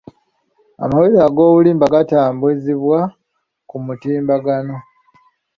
Amawulire ag'obulimba gatambuzibwa ku mutimbagano.